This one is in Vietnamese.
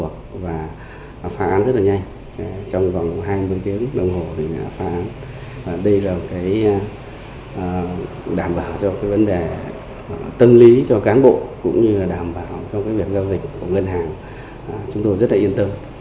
chúng tôi rất yên tâm